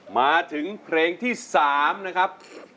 มาถึงเพลงที่๓นะครับ